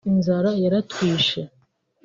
inzara yaratwishe